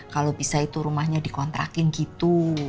kalau bisa itu rumahnya dikontrakin gitu